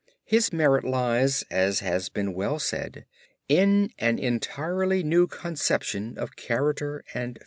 His merit lies, as has been well said, in 'an entirely new conception of character and facts.'"